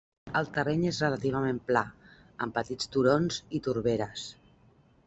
El terreny és relativament pla, amb petits turons i torberes.